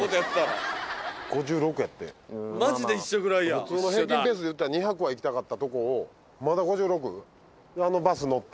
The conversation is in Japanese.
普通の平均ペースでいったら２００は行きたかったとこをまだ５６？